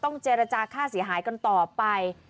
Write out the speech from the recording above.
เจรจาค่าเสียหายกันต่อไป